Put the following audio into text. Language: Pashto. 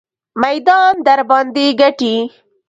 میدان درباندې ګټي.